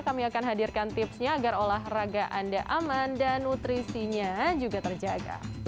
kami akan hadirkan tipsnya agar olahraga anda aman dan nutrisinya juga terjaga